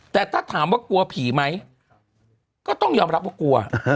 แต่ถ้าถามว่ากลัวผีไหมก็ต้องยอมรับว่ากลัว